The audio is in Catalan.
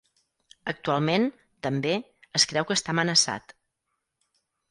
Actualment, també, es creu que està amenaçat.